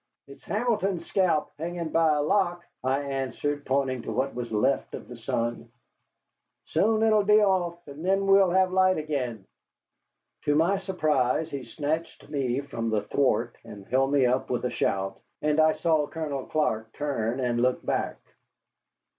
"It's Hamilton's scalp hanging by a lock," I answered, pointing to what was left of the sun. "Soon it will be off, and then we'll have light again." To my surprise he snatched me from the thwart and held me up with a shout, and I saw Colonel Clark turn and look back.